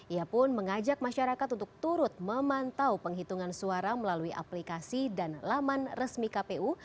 ia pun mengajak masyarakat untuk turut memantau penghitungan suara melalui aplikasi dan laman resmi kpu